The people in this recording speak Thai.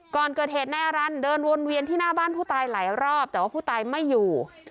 ก่อนเกิดเหตุนายอารันต์เดินวนเวียนที่หน้าบ้านผู้ตายหลายรอบแต่ว่าผู้ตายไม่อยู่